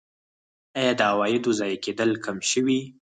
آیا د عوایدو ضایع کیدل کم شوي؟